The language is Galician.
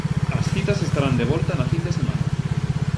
As citas estarán de volta na fin de semana.